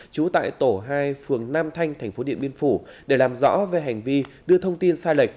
trú tại tổ hai phường nam thanh thành phố điện biên phủ để làm rõ về hành vi đưa thông tin sai lệch